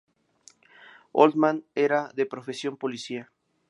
Oldman era de profesión policía.